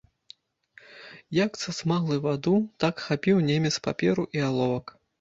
Як сасмаглы ваду, так хапіў немец паперу і аловак.